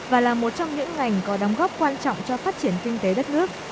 và là một trong những ngành có đóng góp quan trọng cho phát triển kinh tế đất nước